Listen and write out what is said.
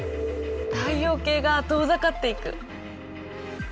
太陽系が遠ざかっていく。